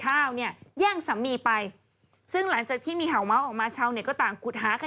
ล่าสุดทั้งสองฝ่ายก็ออกมาเตรียมแถลงค้าว